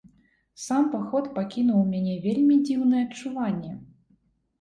Сам паход пакінуў у мяне вельмі дзіўнае адчуванне.